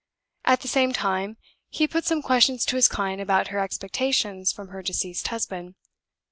At the same time, he put some questions to his client about her expectations from her deceased husband.